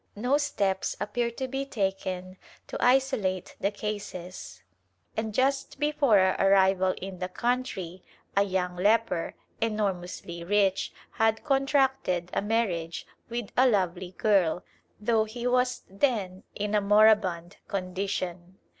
No steps appear to be taken to isolate the cases, and just before our arrival in the country a young leper, enormously rich, had contracted a marriage with a lovely girl, though he was then in a moribund condition.